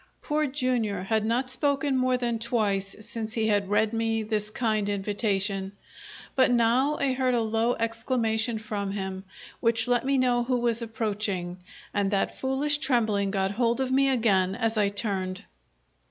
Poor Jr. had not spoken more than twice since he had read me this kind invitation, but now I heard a low exclamation from him, which let me know who was approaching; and that foolish trembling got hold of me again as I turned.